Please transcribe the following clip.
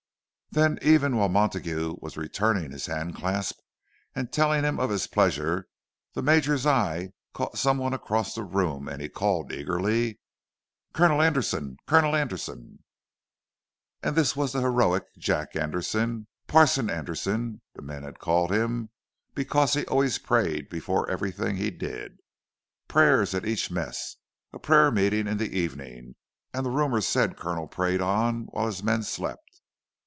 Then, even while Montague was returning his hand clasp and telling him of his pleasure, the Major's eye caught some one across the room, and he called eagerly, "Colonel Anderson! Colonel Anderson!" And this was the heroic Jack Anderson! "Parson" Anderson, the men had called him, because he always prayed before everything he did. Prayers at each mess,—a prayer meeting in the evening,—and then rumour said the Colonel prayed on while his men slept.